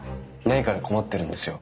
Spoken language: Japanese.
ないから困ってるんですよ。